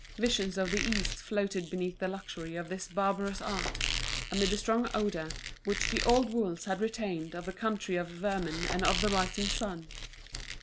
Visions of the East floated beneath the luxury of this barbarous art, amid the strong odour which the old wools had retained of the country of vermin and of the rising sun.